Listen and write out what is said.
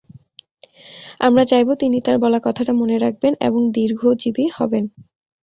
আমরা চাইব, তিনি তাঁর বলা কথাটা মনে রাখবেন, এবং দীর্ঘ দীর্ঘজীবী হবেন।